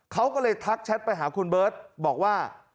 เขาก็เลยทักแชทไปหาคุณเบิร์ตบอกว่า